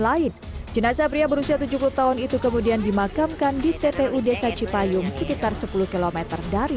lain jenazah pria berusia tujuh puluh tahun itu kemudian dimakamkan di tpu desa cipayung sekitar sepuluh km dari